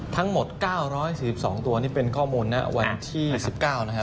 ทั้งหมด๙๔๒ตัวนี่เป็นข้อมูลนะวันที่๑๙นะครับ